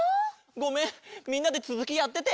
ごめんみんなでつづきやってて。